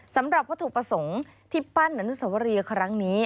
สำหรับวัตถุประสงค์ที่ปั้นอนุสวรีครั้งนี้